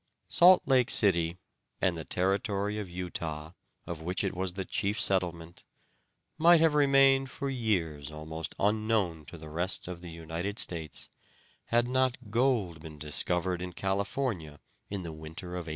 Salt Lake City, and the territory of Utah, of which it was the chief settlement, might have remained for years almost unknown to the rest of the United States had not gold been discovered in California in the winter of 1849.